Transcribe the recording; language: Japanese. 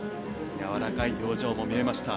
やわらかい表情も見えました。